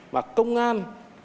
mà công an